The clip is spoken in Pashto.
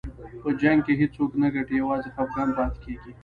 په جنګ کې هېڅوک نه ګټي، یوازې خفګان پاتې کېږي.